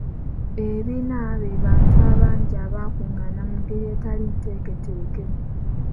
Ebbiina be bantu abangi abakungaana mu ngeri etali nteeketeeke.